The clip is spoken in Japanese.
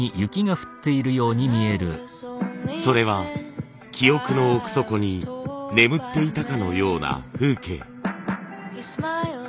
それは記憶の奥底に眠っていたかのような風景。